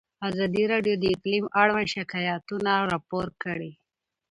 ازادي راډیو د اقلیم اړوند شکایتونه راپور کړي.